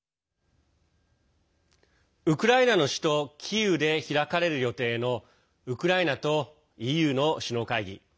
ウクライナの首都キーウで開かれる予定のウクライナとＥＵの首脳会議。